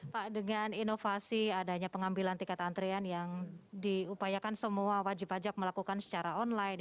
pak dengan inovasi adanya pengambilan tiket antrian yang diupayakan semua wajib pajak melakukan secara online